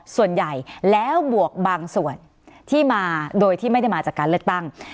ส่วนใหญ่แล้วบวกบางส่วนที่มาโดยที่ไม่ได้มาจากการเลือกตั้ง